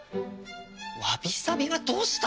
わびさびはどうした？